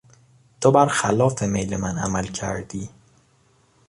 تو برخلاف میل من عمل کردی.